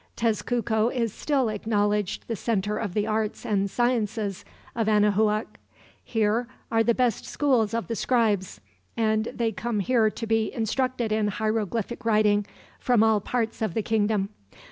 "Tezcuco is still acknowledged the center of the arts and sciences of Anahuac. Here are the best schools of the scribes, and they come here to be instructed in hieroglyphic writing from all parts of the kingdom.